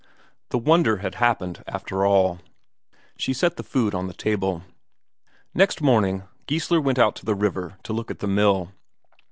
The wonder had happened after all. She set the food on the table. Next morning Geissler went out to the river to look at the mill.